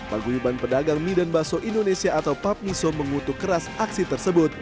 pangguliban pedagang midan baso indonesia atau papniso mengutuk keras aksi tersebut